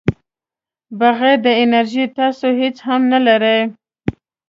بغیر د انرژۍ تاسو هیڅ هم نه لرئ.